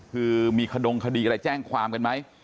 คือมีขดงคดีอะไรแจ้งความกันไหม